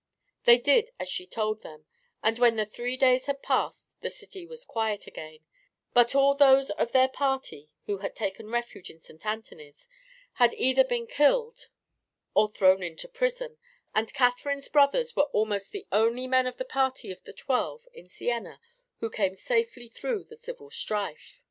They did as she told them, and when the three days had passed the city was quiet again, but all those of their party who had taken refuge at St. Anthony's had either been killed or thrown into prison, and Catherine's brothers were almost the only men of the party of the Twelve in Siena who came safely through the civil strife.